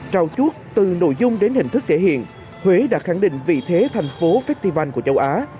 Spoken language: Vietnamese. trao chuốt từ nội dung đến hình thức thể hiện huế đã khẳng định vị thế thành phố festival của châu á